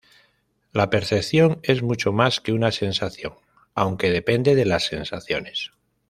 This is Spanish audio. La percepción es mucho más que una sensación, aunque depende de las sensaciones.